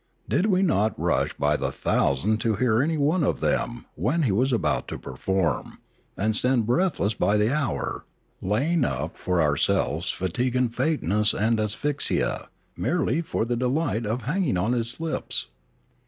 Did we not rush by the thousand to hear any one of them, when he was about to perform, and stand breathless by the hour, laying up for our selves fatigue and faintness and asphyxia, merely for the delight of hanging on his lips?